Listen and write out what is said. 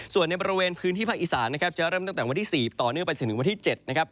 ส่วนในบริเวณพื้นที่ภาคอีสานนะครับจะเริ่มตั้งแต่วันที่๔ต่อเนื่องไปจนถึงวันที่๗นะครับ